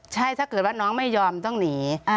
ใช่ถ้าเกิดว่าน้องไม่ยอมต้องหนี